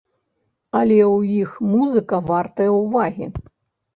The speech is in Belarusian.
Але ў іх музыка вартая ўвагі.